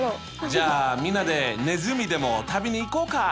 じゃあみんなでネズミでも食べに行こうか？